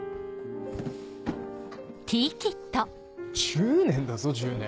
１０年だぞ１０年。